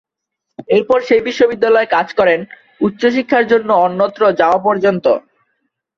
এরপর সেই বিশ্ববিদ্যালয়ে কাজ করেন উচ্চ শিক্ষার জন্য অন্যত্র যাওয়া পর্যন্ত।